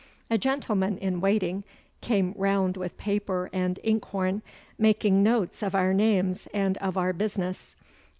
A gentleman in waiting came round with paper and ink horn, making notes of our names and of our business.